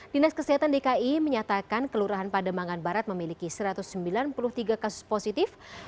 dinas kesehatan dki menyatakan kelurahan pademangan barat memiliki satu ratus sembilan puluh tiga kasus positif